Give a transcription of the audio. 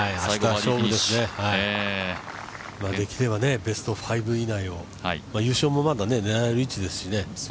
できればベスト５以内を優勝もまだ狙える位置ですしね。